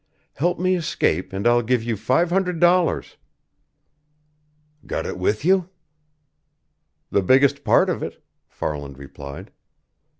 "Help me escape, and I'll give you five hundred dollars." "Got it with you?" "The biggest part of it," Farland replied.